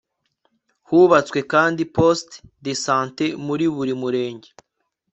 hubatswe kandi poste de santé muri buri murenge